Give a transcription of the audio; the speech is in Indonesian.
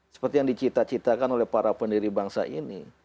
seperti yang dicita citakan oleh para pendiri bangsa ini